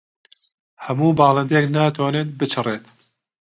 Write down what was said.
هەموو باڵندەیەک ناتوانێت بچڕێت.